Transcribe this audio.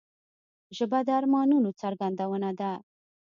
ژبه د ارمانونو څرګندونه ده